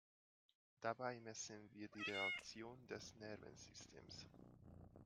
Dabei messen wir die Reaktion des Nervensystems.